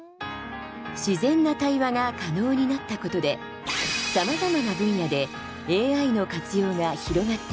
自然な対話が可能になったことでさまざまな分野でＡＩの活用が広がっています。